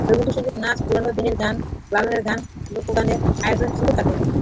রবীন্দ্রসংগীত, নাচ, পুরোনো দিনের গান, লালনের গান, লোকগানের আয়োজন ছিল তাদের।